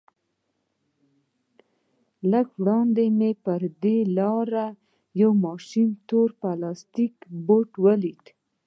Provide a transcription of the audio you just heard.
لږ وړاندې مې پر لاره د يوه ماشوم تور پلاستيكي بوټ وليد.